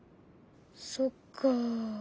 そっか。